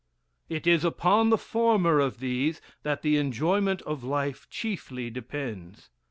It is upon the former of these that the enjoyment of life chiefly depends.